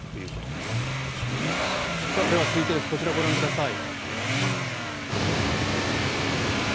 では、続いてこちらをご覧ください。